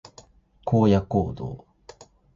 荒野行動